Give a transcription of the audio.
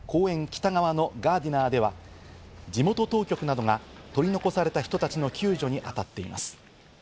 北側のガーディナーでは、地元当局などが取り残された人たちの救助に当たっています。